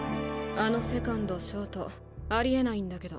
あのセカンドショートありえないんだけど。